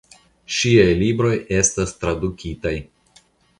Ŝiaj libroj estas tradukitaj.